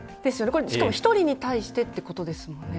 これしかも１人に対してってことですもんね。